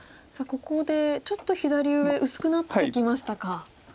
ここでちょっと左上薄くなってきましたか。